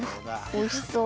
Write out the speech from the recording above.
おいしそう。